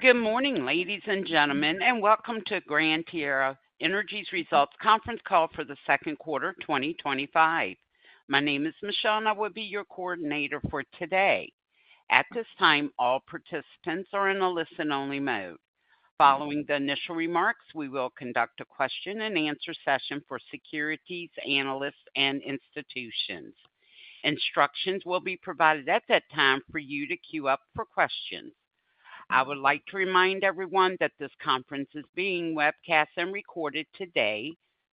Good morning ladies and gentlemen and welcome to Gran Tierra Energy's results conference call for the second quarter 2025. My name is Michelle and I will be your coordinator for today. At this time all participants are in a listen only mode. Following the initial remarks, we will conduct a question and answer session for securities analysts and institutions. Instructions will be provided at that time for you to queue up for questions. I would like to remind everyone that this conference is being webcast and recorded today,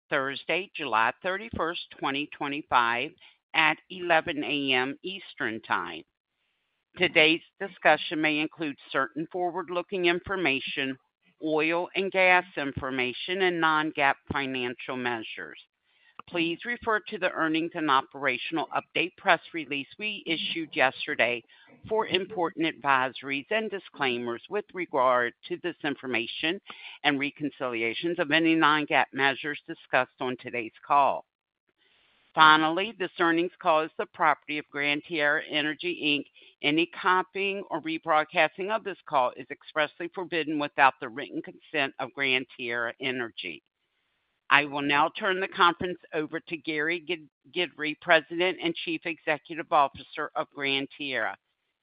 Thursday, July 31st, 2025 at 11:00 A.M. Eastern Time. Today's discussion may include certain forward looking information, oil and gas information and non-GAAP financial measures. Please refer to the Earnings and Operational Update press release we issued yesterday for important advisories and disclaimers with regard to this information and reconciliations of any non-GAAP measures discussed on today's call. Finally, this earnings call is the property of Gran Tierra Energy Inc. Any copying or rebroadcasting of this call is expressly forbidden without the written consent of Gran Tierra Energy. I will now turn the conference over to Gary Guidry, President and Chief Executive Officer of Gran Tierra.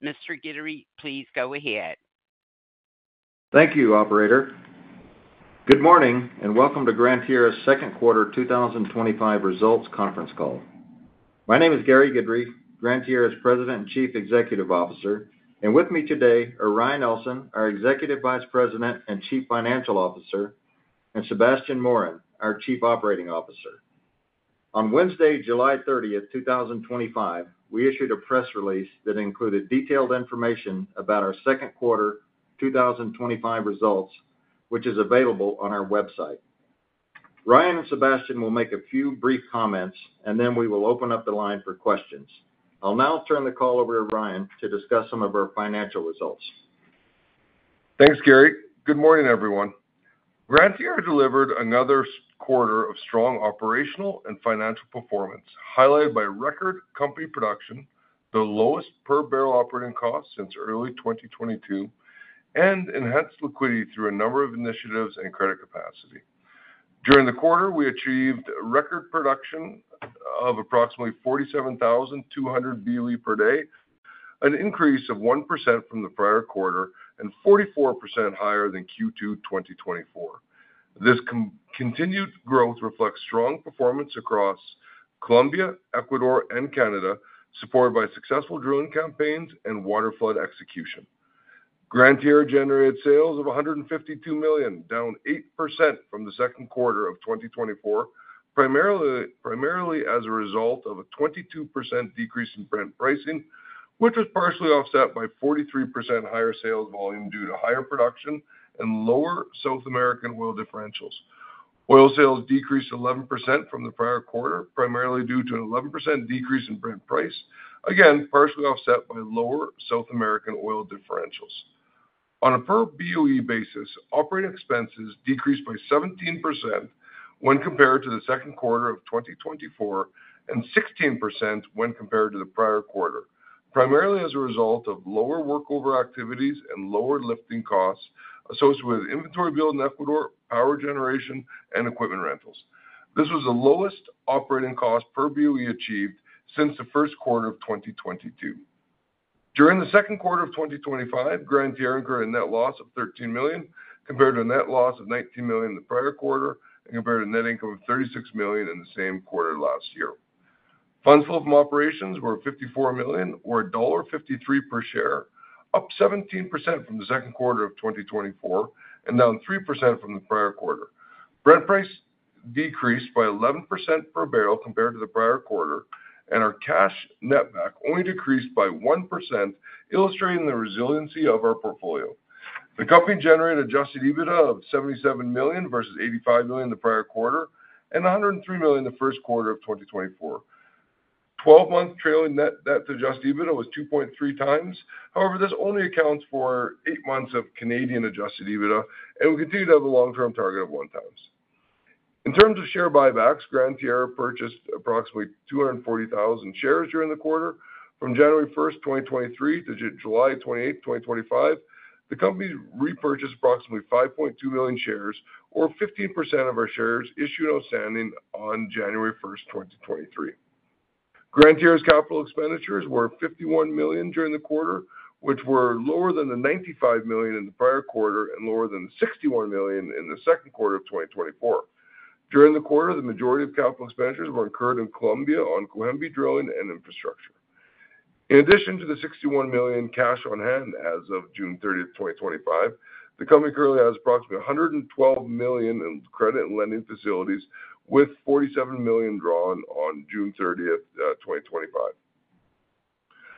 Mr. Guidry, please go ahead. Thank you, Operator. Good morning and welcome to Gran Tierra's second quarter 2025 results conference call. My name is Gary Guidry, Gran Tierra's President and Chief Executive Officer, and with me today are Ryan Ellson, our Executive Vice President and Chief Financial Officer, and Sebastien Morin, our Chief Operating Officer. On Wednesday, July 30th, 2025, we issued a press release that included detailed information about our second quarter 2025 results, which is available on our website. Ryan and Sebastien will make a few brief comments, and then we will open up the line for questions. I'll now turn the call over to Ryan to discuss some of our financial results. Thanks, Gary. Good morning everyone. Gran Tierra delivered another quarter of strong operational and financial performance highlighted by record company production, the lowest per barrel operating cost since early 2022, and enhanced liquidity through a number of initiatives and credit capacity. During the quarter, we achieved record production of approximately 47,200 bbl of oil equivalent per day, an increase of 1% from the prior quarter and 44% higher than Q2 2024. This continued growth reflects strong performance across Colombia, Ecuador, and Canada, supported by successful drilling campaigns and waterflood execution. Gran Tierra generated sales of $152 million, down 8% from the second quarter of 2024, primarily as a result of a 22% decrease in Brent pricing, which was partially offset by 43% higher sales volume due to higher production and lower South American oil differentials. Oil sales decreased 11% from the prior quarter, primarily due to an 11% decrease in Brent price, again partially offset by lower South American oil differentials. On a per BOE basis, operating expenses decreased by 17% when compared to the second quarter of 2024 and 16% when compared to the prior quarter, primarily as a result of lower workover activities and lower lifting costs associated with inventory build in Ecuador, power generation, and equipment rentals. This was the lowest operating cost per BOE achieved since the first quarter of 2022. During the second quarter of 2025, Gran Tierra incurred a net loss of $13 million compared to a net loss of $19 million in the prior quarter and compared to net income of $36 million in the same quarter last year. Funds flow from operations were $54 million or $1.53 per share, up 17% from the second quarter of 2024 and down 3% from the prior quarter. Brent price decreased by 11% per barrel compared to the prior quarter and our cash netback only decreased by 1%, illustrating the resiliency of our portfolio. The company generated adjusted EBITDA of $77 million versus $85 million in the prior quarter and $103 million in the first quarter of 2024. 12 months trailing net debt to adjusted EBITDA was 2.3x. However, this only accounts for 8 months of Canadian adjusted EBITDA and we continue to have a long term target of 1x. In terms of share buybacks, Gran Tierra purchased approximately 240,000 shares during the quarter. From January 1st, 2023 to July 28th, 2025, the Company repurchased approximately 5.2 million shares or 15% of our shares issued and outstanding on January 1st, 2023. Gran Tierra's capital expenditures were $51 million during the quarter, which were lower than the $95 million in the prior quarter and lower than $61 million in the second quarter of 2024. During the quarter, the majority of capital expenditures were incurred in Colombia on Cohembi drilling and infrastructure. In addition to the $61 million cash on hand as of June 30, 2025, the Company currently has approximately $112 million in credit lending facilities with $47 million drawn on June 30th, 2025.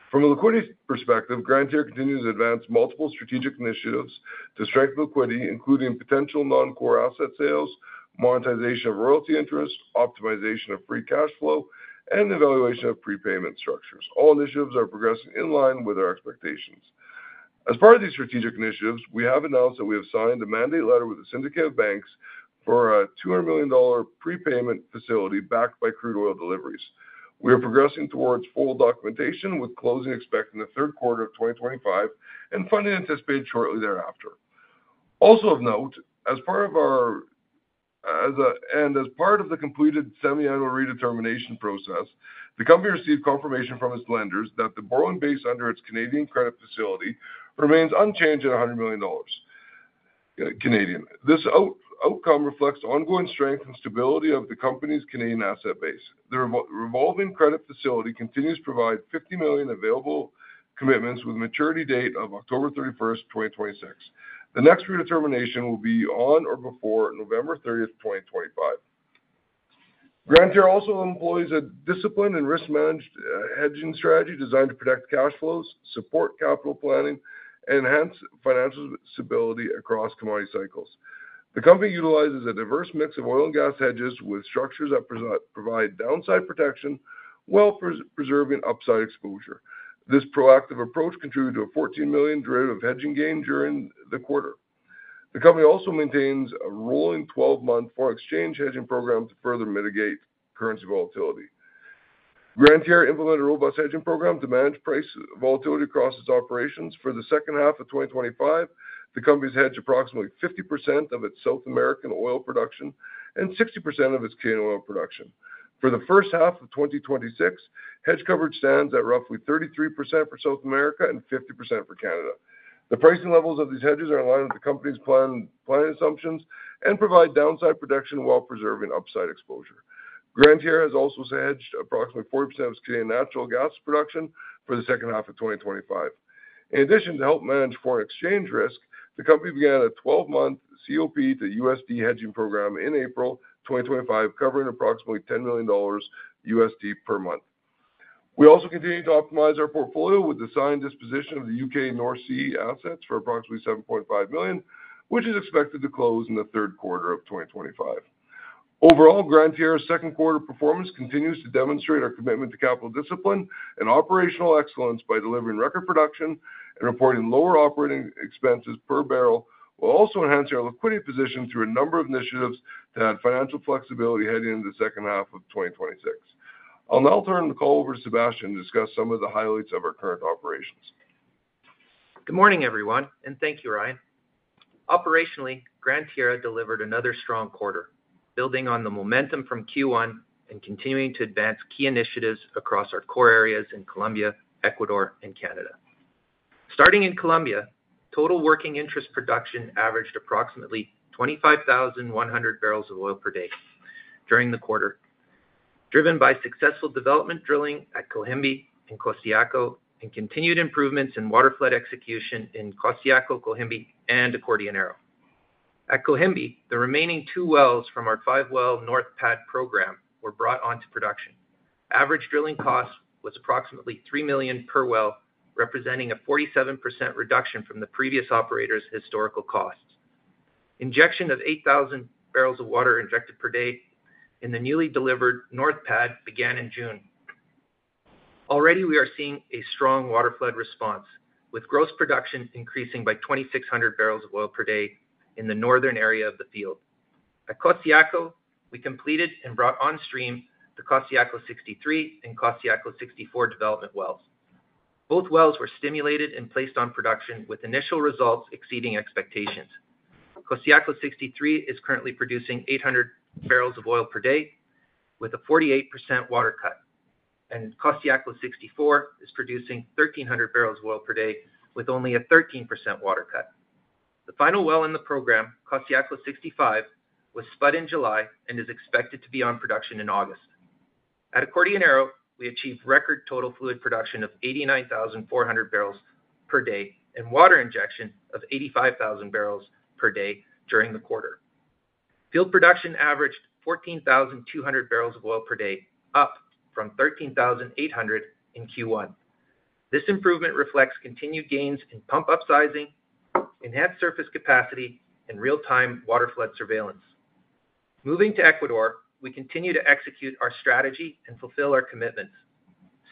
From a liquidity perspective, Gran Tierra continues to advance multiple strategic initiatives to strengthen liquidity, including potential non-core asset sales, monetization of royalty interest, optimization of free cash flow, and the evaluation of prepayment structures. All initiatives are progressing in line with our expectations. As part of these strategic initiatives, we have announced that we have signed a mandate letter with the syndicate of banks for a $200 million prepayment facility backed by crude oil deliveries. We are progressing towards full documentation with closing expected in the third quarter of 2025 and funding anticipated shortly thereafter. Also of note, as part of the completed semiannual redetermination process, the Company received confirmation from its lenders that the borrowing base under its Canadian credit facility remains unchanged at 100 million Canadian dollars. This outcome reflects ongoing strength and stability of the Company's Canadian asset base. The revolving credit facility continues to provide $50 million available commitments with maturity date of October 31st, 2026. The next redetermination will be on or before November 30th, 2025. Gran Tierra also employs a disciplined and risk-managed hedging strategy designed to protect cash flows, support capital planning, and enhance financial stability across commodity cycles. The Company utilizes a diverse mix of oil and gas hedges with structures that provide downside protection while preserving upside exposure. This proactive approach contributed to a $14 million derivative hedging gain during the quarter. The Company also maintains a rolling 12-month foreign exchange hedging program to further mitigate currency volatility. Gran Tierra implemented a robust hedging program to manage price volatility across its operations for the second half of 2025. The company has hedged approximately 50% of its South American oil production and 60% of its Canadian oil production for the first half of 2026. Hedge coverage stands at roughly 33% for South America and 50% for Canada. The pricing levels of these hedges are in line with the Company's planning assumptions and provide downside protection while preserving upside exposure. Gran Tierra has also hedged approximately 4% of Canadian natural gas production for the second half of 2025. In addition, to help manage foreign exchange risk, the company began a 12-month COP to USD hedging program in April 2025 covering approximately $10 million per month. We also continue to optimize our portfolio with the signed disposition of the U.K. North Sea assets for approximately $7.5 million, which is expected to close in the third quarter of 2025. Overall, Gran Tierra's second quarter performance continues to demonstrate our commitment to capital discipline and operational excellence by delivering record production and reporting lower operating expenses per barrel while also enhancing our liquidity position through a number of initiatives that provide financial flexibility heading into the second half of 2026. I'll now turn the call over to Sebastien to discuss some of the highlights of our current operations. Good morning everyone and thank you Ryan. Operationally, Gran Tierra delivered another strong quarter, building on the momentum from Q1 and continuing to advance key initiatives across our core areas in Colombia, Ecuador, and Canada. Starting in Colombia, total working interest production averaged approximately 25,100 bbl of oil per day during the quarter, driven by successful development drilling at Cohembi and Costayaco and continued improvements in waterflood execution in Costayaco, Cohembi, and Acordionero. At Cohembi, the remaining two wells from our five-well North Pad program were brought onto production. Average drilling cost was approximately $3 million per well, representing a 47% reduction from the previous operator's historical costs. Injection of 8,000 bbl of water per day in the newly delivered North Pad began in June. Already we are seeing a strong waterflood response with gross production increasing by 2,600 bbl of oil per day in the northern area of the field. At Costayaco, we completed and brought on stream the Costayaco 63 and Costayaco 64 development wells. Both wells were stimulated and placed on production with initial results exceeding expectations. Costayaco 63 is currently producing 800 bbl of oil per day with a 48% water cut and Costayaco 64 is producing 1,300 bbl of oil per day with only a 13% water cut. The final well in the program, Costayaco 65, was spud in July and is expected to be on production in August. At Acordionero, we achieved record total fluid production of 89,400 bbl per day and water injection of 85,000 bbl per day during the quarter. Field production averaged 14,200 bbl of oil per day, up from 13,800 in Q1. This improvement reflects continued gains in pump upsizing, enhanced surface capacity, and real-time waterflood surveillance. Moving to Ecuador, we continue to execute our strategy and fulfill our commitments.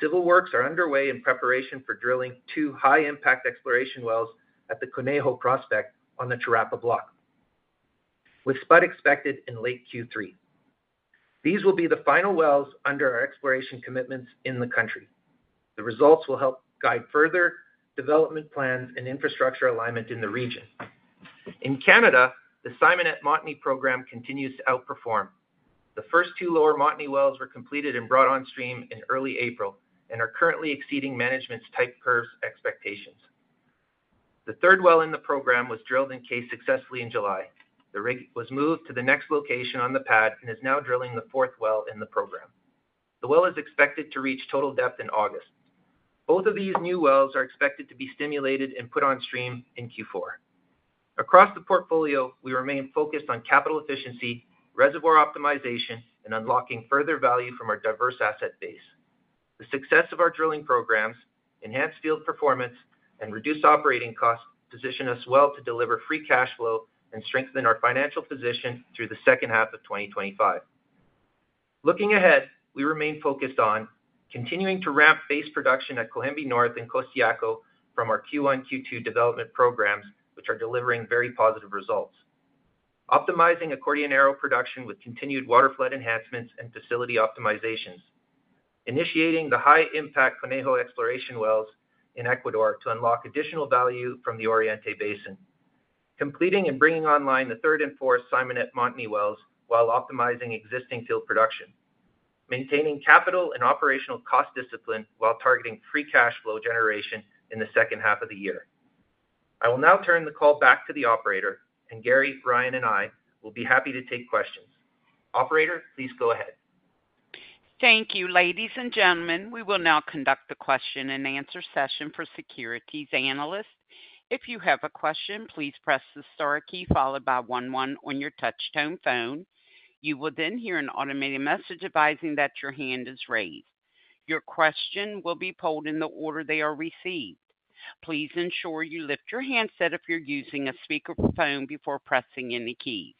Civil works are underway in preparation for drilling two high-impact exploration wells at the Conejo Prospect on the Charapa Block with spud expected in late Q3. These will be the final wells under our exploration commitments in the country. The results will help guide further development plans and infrastructure alignment in the region. In Canada, the Simonette Montney program continues to outperform. The first two Lower Montney wells were completed and brought on stream in early April and are currently exceeding management's type curve expectations. The third well in the program was drilled and cased successfully in July. The rig was moved to the next location on the pad and is now drilling the fourth well in the program. The well is expected to reach total depth in August. Both of these new wells are expected to be stimulated and put on stream in Q4 across the portfolio. We remain focused on capital efficiency, reservoir optimization, and unlocking further value from our diverse asset base. The success of our drilling programs, enhanced field performance, and reduced operating costs position us well to deliver free cash flow and strengthen our financial position through the second half of 2025. Looking ahead, we remain focused on continuing to ramp phase production at Cohembi, North, and Costayaco from our Q1 and Q2 development programs, which are delivering very positive results. Optimizing Acordionero production with continued waterflood enhancements and facility optimizations, initiating the high-impact Conejo Prospect exploration wells in Ecuador to unlock additional value from the Oriente Basin, completing and bringing online the third and fourth Simonette Montney wells while optimizing existing field production, and maintaining capital and operational cost discipline while targeting free cash flow generation in the second half of the year. I will now turn the call back to the operator, and Gary, Ryan, and I will be happy to take questions. Operator, please go ahead. Thank you, ladies and gentlemen. We will now conduct the question and answer session for securities analysts. If you have a question, please press the star key followed byone one on your touchtone phone. You will then hear an automated message advising that your hand is raised. Your question will be polled in the order they are received. Please ensure you lift your handset if you're using a speakerphone before pressing any key.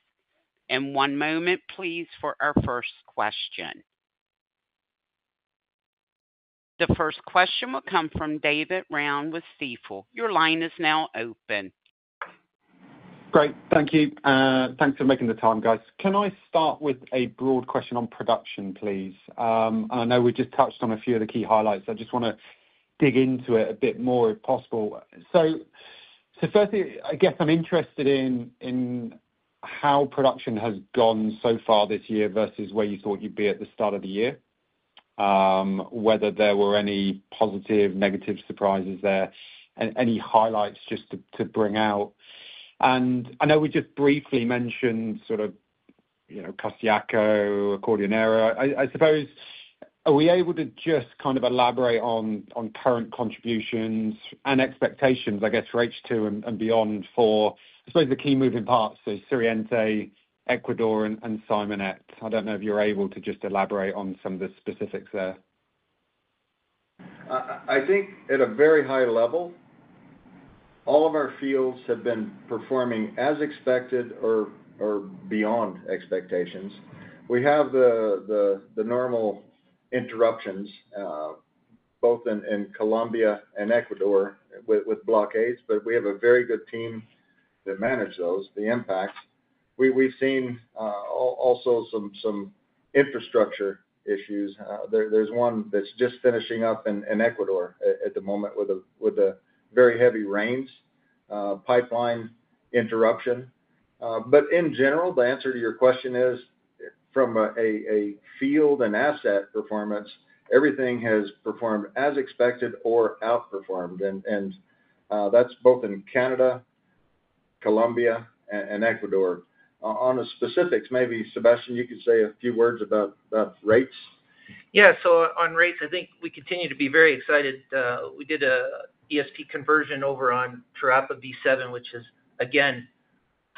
One moment, please, for our first question. The first question will come from David Round with Stifel. Your line is now open. Great, thank you. Thanks for making the time guys. Can I start with a broad question on production, please? I know we just touched on a few of the key highlights. I just want to dig into it a bit more, if possible. Firstly, I guess I'm interested in how production has gone so far this year versus where you thought you'd be at the start of the year. Whether there were any positive or negative surprises there and any highlights just to bring out. I know we just briefly mentioned, sort of, you know, Costayaco, Acordionero, I suppose. Are we able to just kind of elaborate on current contributions and expectations, I guess, for H2 and beyond for, I suppose, the key moving parts. So, Suroriente, Ecuador, and Simonette, I don't know if you're able to just elaborate on some of the specifics there. I think at a very high level all of our fields have been performing as expected or beyond expectations. We have the normal interruptions both in Colombia and Ecuador with blockades, but we have a very good team that manage those impacts. We've seen also some infrastructure issues. There's one that's just finishing up in Ecuador at the moment with the very heavy rains, pipeline interruption. In general, the answer to your question is from a field and asset performance. Everything has performed as expected or outperformed, and that's both in Canada, Colombia, and Ecuador. On the specifics, maybe Sebastien, you could say a few words about rates. Yeah, so on rates I think we continue to be very excited. We did an ESP conversion over on Charapa-B7, which has again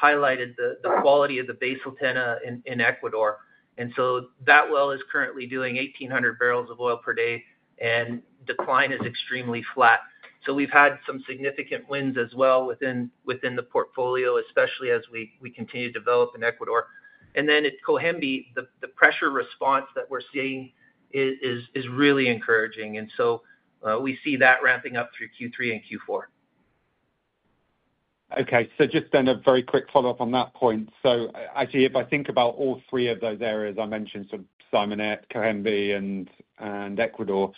highlighted the quality of the Basal Tena in Ecuador. That well is currently doing 1,800 bbl of oil per day, and decline is extremely flat. We've had some significant wins as well within the portfolio, especially as we continue to develop in Ecuador and then at Cohembi. The pressure response that we're seeing is really encouraging, and we see that ramping up through Q3 and Q4. Okay, just a very quick follow up on that point. If I think about all three of those areas I mentioned, sort of Simonette, Cohembi, and Ecuador,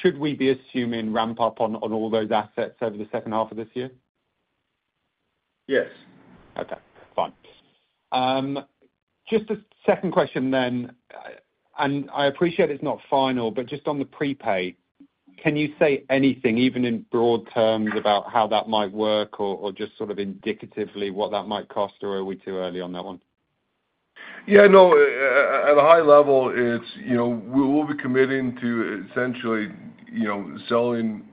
should we be assuming ramp up on all those assets over the second half of this year? Yes. Okay, fine. Just a second question. I appreciate it's not final, but just on the prepayment facility, can you say anything, even in broad terms, about how that might work or just sort of indicatively what that might cost, or are we too early on that one? At a high level, it's, you know, we'll be committing to essentially, you know, selling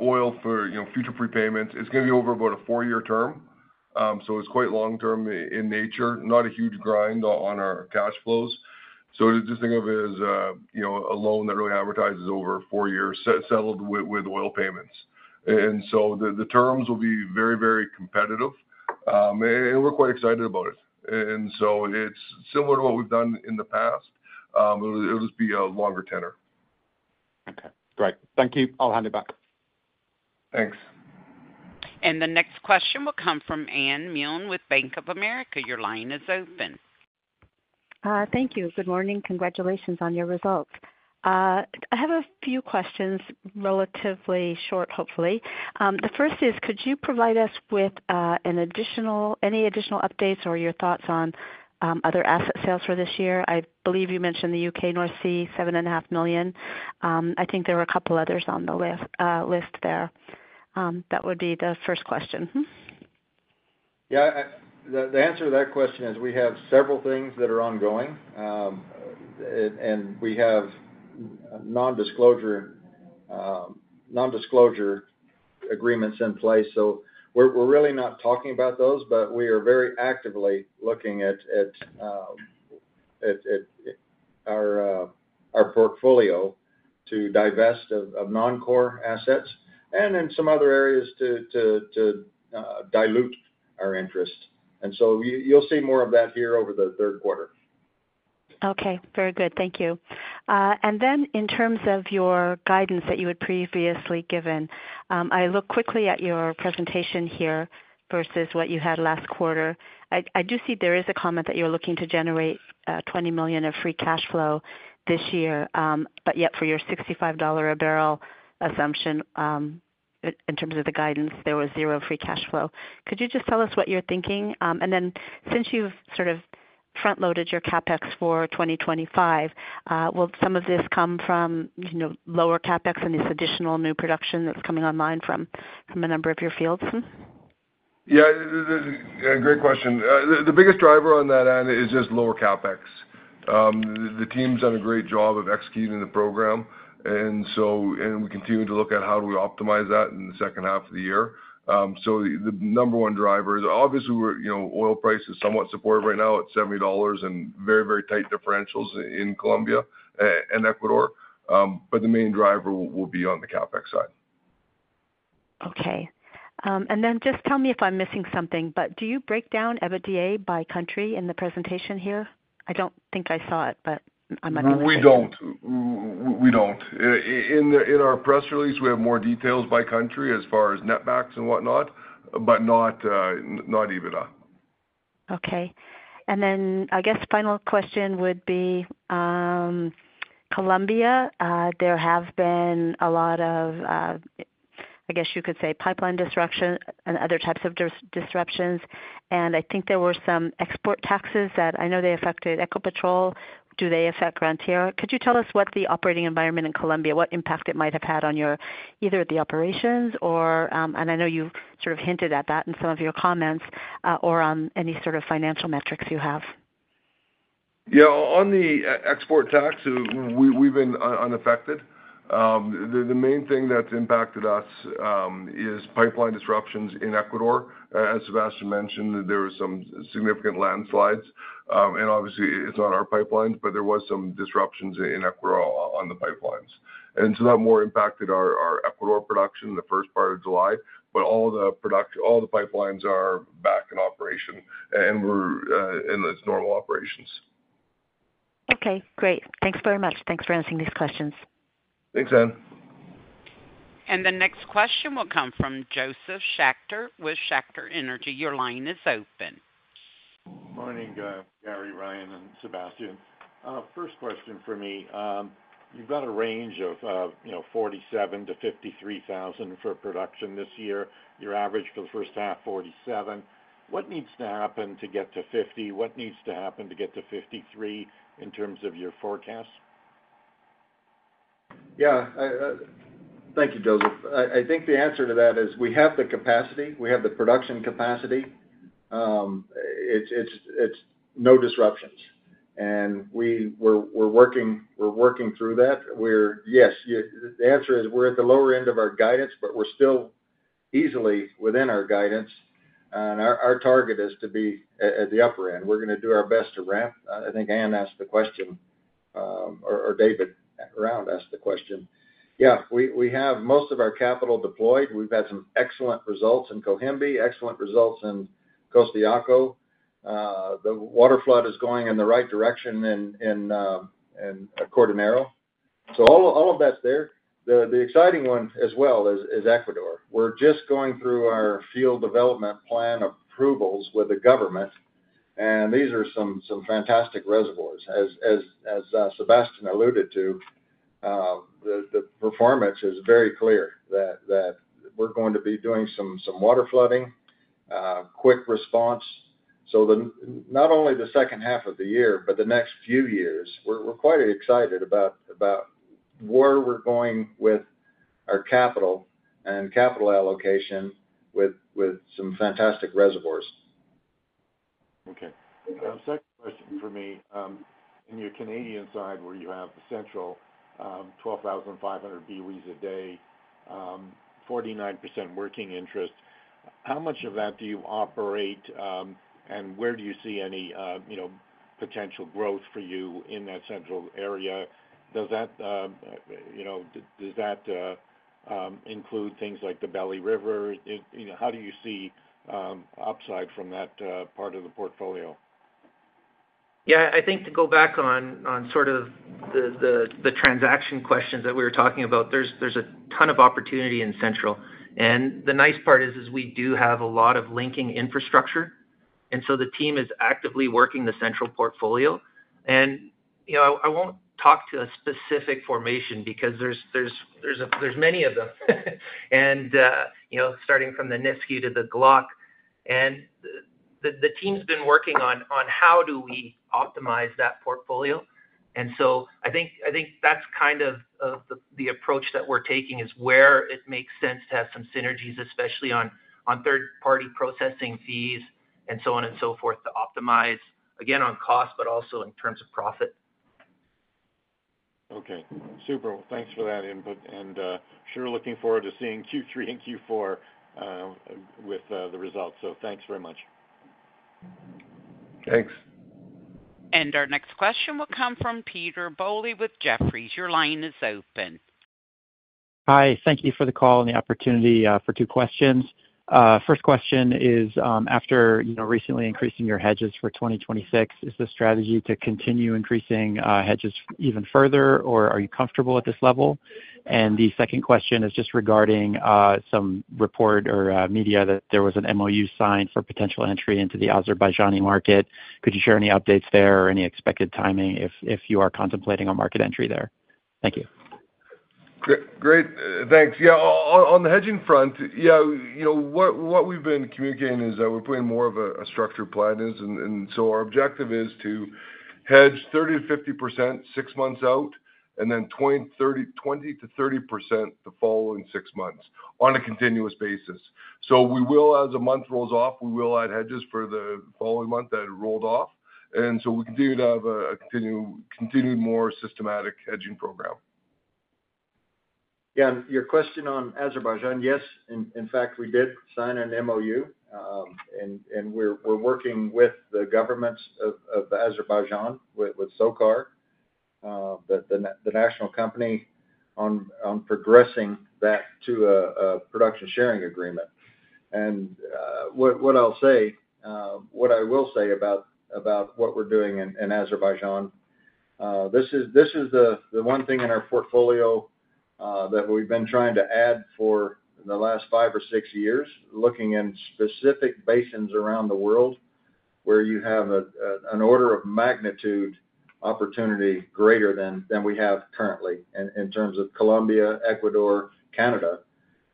oil for, you know, future prepayments. It's going to be over about a four year term, so it's quite long term in nature, not a huge grind on our cash flows. Just think of it as, you know, a loan that really advertises over four years settled with oil payments. The terms will be very, very competitive and we're quite excited about it. It's similar to what we've done in the past, it'll just be a longer tenor. Okay, great, thank you. I'll hand it back. Thanks. The next question will come from Anne Milne with Bank of America. Your line is open. Thank you. Good morning. Congratulations on your results. I have a few questions, relatively short hopefully. The first is could you provide us with any additional updates or your thoughts on other asset sales for this year? I believe you mentioned the U.K. North Sea $7.5 million. I think there were a couple others on the list there. That would be the first question. Yeah, the answer to that question is we have several things that are ongoing, and we have non-disclosure agreements in place. We're really not talking about those, but we are very actively looking at our portfolio to divest of non-core assets and then some other areas to dilute our interest. You'll see more of that here over the third quarter. Okay, very good, thank you. In terms of your guidance that you had previously given, I look quickly at your presentation here versus what you had last quarter. I do see there is a comment that you're looking to generate $20 million of free cash flow this year, yet for your $65 a barrel assumption in terms of the guidance there was zero free cash flow. Could you just tell us what you're thinking? Since you've sort of front loaded your CapEx for 2025, will some of this come from lower CapEx and this additional new production that's coming online from a number of your fields? Yeah, great question. The biggest driver on that end is just lower CapEx. The team's done a great job of executing the program, and we continue to look at how do we optimize that in the second half of the year. The number one driver is obviously, you know, oil price is somewhat supportive right now at $70 and very, very tight differentials in Colombia and Ecuador. The main driver will be on the CapEx side. Okay, and then just tell me if I'm missing something, but do you break down EBITDA by country in the presentation here? I don't think I saw it, but I'm not sure. We don't. In our press release, we have more details by country as far as netbacks and whatnot, but not EBITDA. Okay, and then I guess final question would be Colombia. There have been a lot of, I guess you could say, pipeline disruption and other types of disruptions, and I think there were some export taxes that I know they affected Ecopetrol. Do they affect Gran Tierra? Could you tell us what the operating environment in Colombia, what impact it might have had on your either the operations or, and I know you sort of hinted at that in some of your comments, or on any sort of financial metrics you have. Yeah, on the export tax we've been unaffected. The main thing that's impacted us is pipeline disruptions in Ecuador. As Sebastien mentioned, there are some significant landslides and obviously it's not our pipelines, but there was some disruptions in Ecuador on the pipelines, and that more impacted our Ecuador production the first part of July, but all the pipelines are back in operation and we're in its normal operations. Okay, great. Thanks very much. Thanks for answering these questions. Thanks, Anne. The next question will come from Josef Schachter with Schachter Energy. Your line is open. Morning, Gary, Ryan, and Sebastien. First question for me. You've got a range of, you know, 47,000-53,000 for production this year. Your average for the first half, 47,000. What needs to happen to get to 50,000? What needs to happen to get to 53,000 in terms of your forecast? Yeah, thank you, Josef. I think the answer to that is we have the capacity, we have the production capacity. It's no disruptions and we're working through that. Yes, the answer is we're at the lower end of our guidance, but we're still easily within our guidance. Our target is to be at the upper end. We're going to do our best to ramp. I think Anne asked the question or David Round asked the question. Yeah, we have most of our capital deployed. We've had some excellent results in Cohembi, excellent results in Costayaco. The waterflood is going in the right direction in Acordionero, so all of that's there. The exciting one as well is Ecuador. We're just going through our field development plan approvals with the government. These are some fantastic reservoirs, as Sebastien alluded to. The performance is very clear that we're going to be doing some waterflooding, quick response. Not only the second half of the year, but the next few years, we're quite excited about where we're going with our capital and capital allocation with some fantastic reservoirs. Okay, second question for me. In your Canadian side, where you have the central 12,500 BOEs a day, 49% working interest, how much of that do you operate and where do you see any, you know, potential growth for you in that central area? Does that, you know, does that include things like the Belly River? You know, how do you see upside from that part of the portfolio? Yeah, I think to go back on sort of the transaction questions that we were talking about, there's a ton of opportunity in central and the nice part is we do have a lot of linking infrastructure. The team is actively working the central portfolio. I won't talk to a specific formation because there's many of them, starting from the Nisku to the Glock, and the team's been working on how do we optimize that portfolio. I think that's kind of the approach that we're taking, where it makes sense to have some synergies, especially on third party processing fees and so on and so forth, to optimize again on cost, but also in terms of profit. Okay, super. Thanks for that input, and sure looking forward to seeing Q3 and Q4 with the results. Thanks very much. Thanks. Our next question will come from Peter Bowley with Jefferies. Your line is open. Hi. Thank you for the call and the opportunity for two questions. First question is after recently increasing your hedges for 2026, is the strategy to continue increasing hedges even further or are you comfortable at this level? The second question is just regarding some report or media that there was an MoU signed for potential entry into the Azerbaijan market. Could you share any updates there or any expected timing if you are contemplating a market entry there? Thank you. Great, thanks. Yeah, on the hedging front, what we've been communicating is that we're putting more of a structured plan. Our objective is to hedge 30%-50% six months out and then 20%-30% the following six months on a continuous basis. As a month rolls off, we will add hedges for the following month that rolled off. We continue to have a continued, more systematic hedging program. Yeah. Your question on Azerbaijan, yes, in fact, we did sign an MoU and we're working with the governments of Azerbaijan, with SOCAR, the national company, on progressing that to a production sharing agreement. What I will say about what we're doing in Azerbaijan, this is the one thing in our portfolio that we've been trying to add for the last five or six years, looking in specific basins around the world where you have an order of magnitude opportunity greater than we have currently in terms of Colombia, Ecuador, Canada,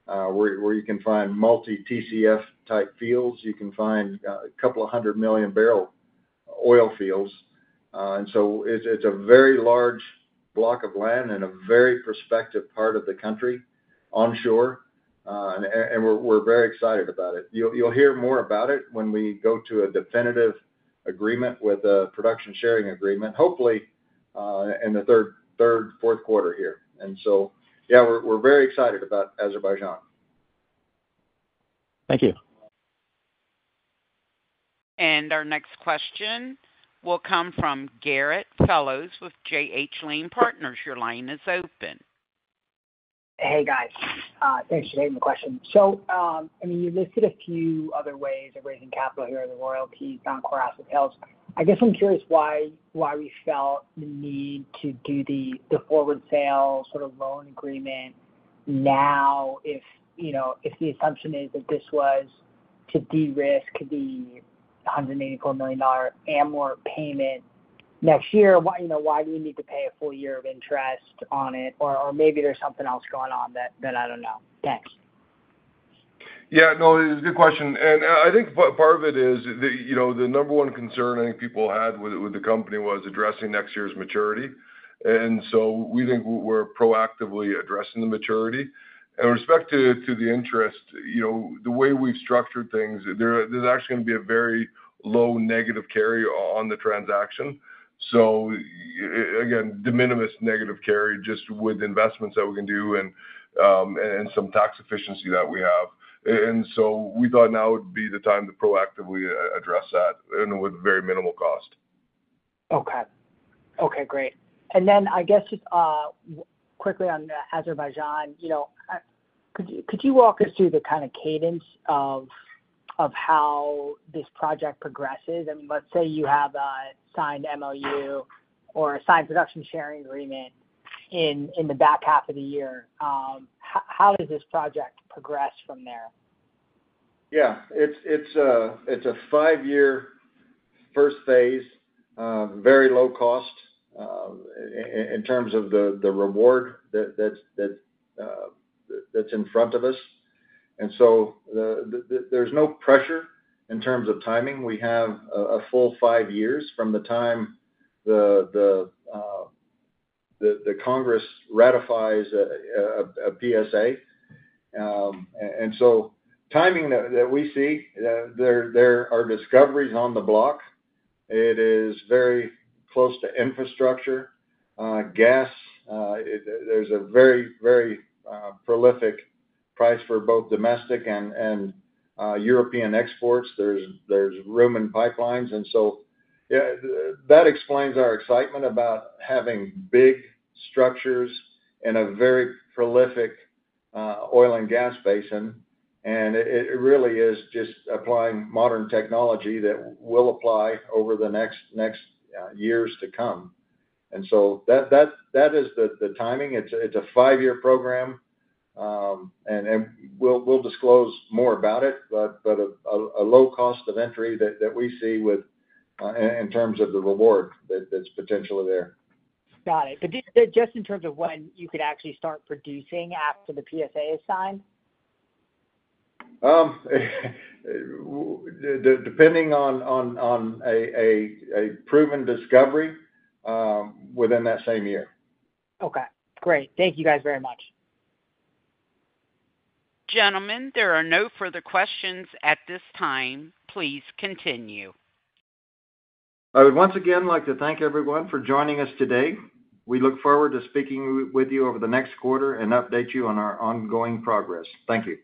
where you can find multi TCF type fields, you can find a couple of hundred million barrel oil fields. It's a very large block of land and a very prospective part of the country onshore, and we're very excited about it. You'll hear more about it when we go to a definitive agreement with a production sharing agreement, hopefully in the third, fourth quarter here. We're very excited about Azerbaijan. Thank you. Our next question will come from Garrett Fellows with J.H. Lane Partners. Your line is open. Hey guys, thanks for taking the question. I mean, you listed a few other ways of raising capital here in the royalties, encore asset sales. I guess I'm curious why we felt the need to do the forward sale sort of loan agreement. If the assumption is that this was to de-risk the $184 million ammo payment next year, why do you need to pay a full year of interest on it? Or maybe there's something else going on that I don't know. Thanks. Yeah, good question. I think part of it is, you know, the number one concern I think people had with the company was addressing next year's maturity. We think we're proactively addressing the maturity in respect to the interest. You know, the way we've structured things, there's actually going to be a very low negative carry on the transaction. Again, de minimis negative carry just with investments that we can do and some tax efficiency that we have. We thought now would be the time to proactively address that with very minimal cost. Okay, great. I guess just quickly on Azerbaijan, could you walk us through the kind of cadence of how this project progresses? Let's say you have a signed MoU or signed production sharing agreement in the back half of the year. How does this project progress from there? Yeah, it's a five-year first phase, very low cost in terms of the reward that's in front of us. There's no pressure in terms of timing. We have a full five years from the time the Congress ratifies a production sharing agreement. The timing that we see there, there are discoveries on the block. It is very close to infrastructure, gas. There's a very, very prolific price for both domestic and European exports. There's room in pipelines. That explains our excitement about having big structures in a very prolific oil and gas basin. It really is just applying modern technology that will apply over the next years to come. That is the timing. It's a five-year program and we'll disclose more about it, but a low cost of entry that we see in terms of the reward that's potentially there. Got it. In terms of when you could actually start producing after the production sharing agreement is signed. Depending on a proven discovery within that same year. Okay, great. Thank you guys very much. Gentlemen, there are no further questions at this time. Please continue. I would once again like to thank everyone for joining us today. We look forward to speaking with you over the next quarter and updating you on our ongoing progress. Thank you.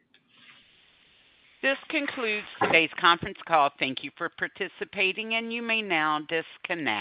This concludes today's conference call. Thank you for participating. You may now disconnect.